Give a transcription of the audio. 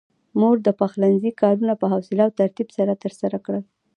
مور د پخلنځي کارونه په حوصله او ترتيب سره ترسره کړل.